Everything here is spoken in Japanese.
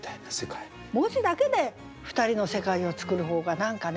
文字だけで２人の世界をつくる方が何かね